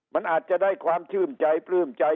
มันอาจจะได้ความชื่นใจปลื้มใจ